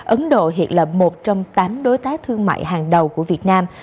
ấn độ hiện là một trong tám đối tác thương mại hàng đầu của việt nam